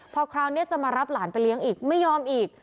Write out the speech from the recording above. พอคราวนี้จะมารับหลานไปเลี้ยงอีกไม่ยอมอีก